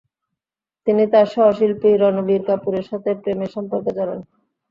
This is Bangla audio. তিনি তার সহশিল্পী রণবীর কাপুরের সাথে প্রেমের সম্পর্কে জড়ান।